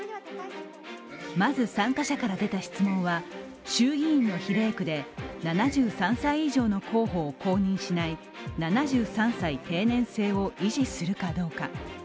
まず参加者から出た質問は、衆議院の比例区で７３歳以上の候補を公認しない７３歳定年制を維持するかどうか。